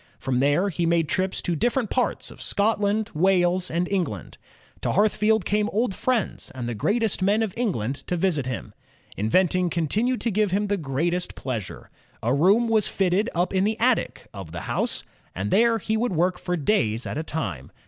From there he made trips to different parts of Scotland, Wales, and England. To Hearthfield came old friends and the great est men of England to visit him. Inventing continued to give him the greatest pleasure. A room was fitted up in the attic of the house, and there he would work for days at a time.